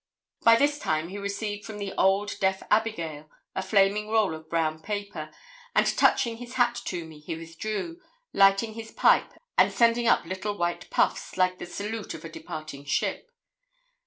By this time he received from the old deaf abigail a flaming roll of brown paper, and, touching his hat to me, he withdrew, lighting his pipe and sending up little white puffs, like the salute of a departing ship.